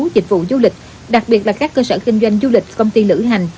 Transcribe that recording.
dịch vụ du lịch đặc biệt là các cơ sở kinh doanh du lịch công ty lửa hành